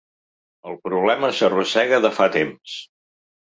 El problema s’arrossega de fa temps.